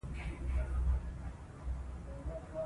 د هندوکش لپاره دپرمختیا پروګرامونه شته.